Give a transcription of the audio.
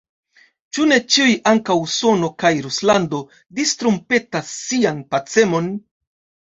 Ĉu ne ĉiuj, ankaŭ Usono kaj Ruslando, distrumpetas sian pacemon?